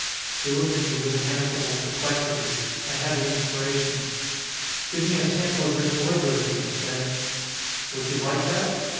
He looked at me with an amicable perplexity. I had an inspiration. "Give me a sample of your calligraphy," I said. "Would you like that?"